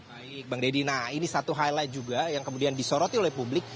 baik bang deddy nah ini satu highlight juga yang kemudian disoroti oleh publik